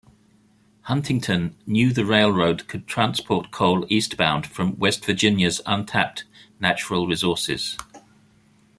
Huntington knew the railroad could transport coal eastbound from West Virginia's untapped natural resources.